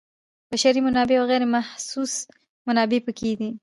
بشري منابع او غیر محسوس منابع پکې دي.